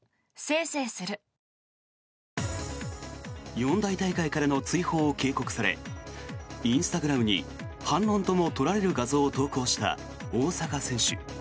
四大大会からの追放を警告されインスタグラムに反論とも取られる画像を投稿した大坂選手。